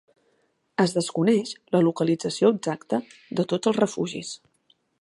Es desconeix la localització exacta de tots els refugis.